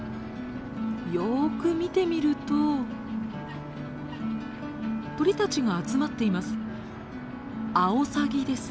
よく見てみると鳥たちが集まっています。